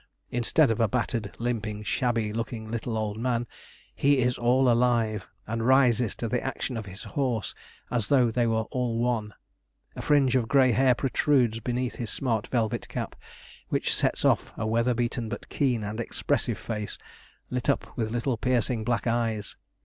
Instead of a battered, limping, shabby looking little old man, he is all alive and rises to the action of his horse, as though they were all one. A fringe of grey hair protrudes beneath his smart velvet cap, which sets off a weather beaten but keen and expressive face, lit up with little piercing black eyes.